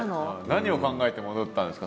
何を考えて戻ったんですか？